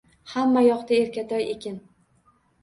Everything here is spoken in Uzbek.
Hamma yoqda erkatoy ekin –